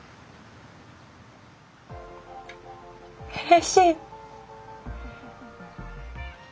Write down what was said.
うれしい！